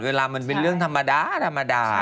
เวลามันเป็นเรื่องธรรมดา